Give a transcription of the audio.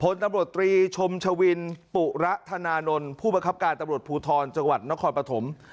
ตำรวจตรีชมชวินปุระธนานนท์ผู้ประคับการตำรวจภูทรจังหวัดนครปฐม